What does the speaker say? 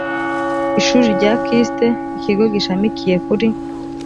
ishuri rya kist ikigo gishamikiye kuri